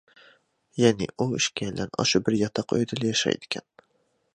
يەنى، ئۇ ئىككىيلەن ئاشۇ بىر ياتاق ئۆيدىلا ياشايدىكەن.